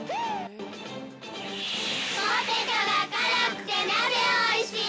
◆ポテトが辛くて、なぜおいしい！